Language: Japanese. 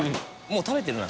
「もう食べてる？」